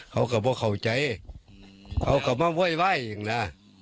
เขากับบอกเขาใจเขากับมันเว้ยเว้ยอย่างน่ะ